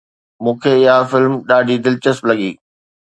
مون کي اها فلم ڏاڍي دلچسپ لڳي